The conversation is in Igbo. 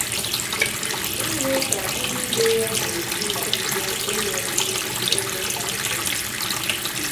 ị hụ ka ndị be ya ga-esi màlite ịnyụsị ego ka nsị